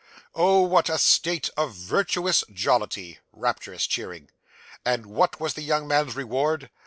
Oh, what a state of virtuous jollity! (rapturous cheering). And what was the young man's reward?